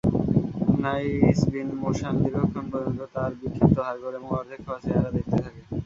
লাঈছ বিন মোশান দীর্ঘক্ষণ পর্যন্ত তার বিক্ষিপ্ত হাড়গোড় এবং অর্ধেক খাওয়া চেহারা দেখতে থাকে।